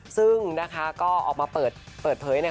ซึ่งก็ออกมาเปิดเผย